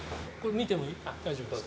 見ても大丈夫ですか？